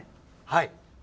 はい。